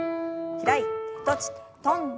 開いて閉じて跳んで。